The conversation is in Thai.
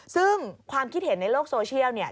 ซึ่งความคิดเห็นในโลกโซเชียลเนี่ย